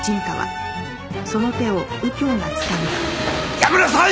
やめなさい！